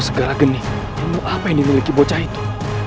segera geni apa yang dimiliki bocah itu